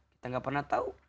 kita gak pernah tahu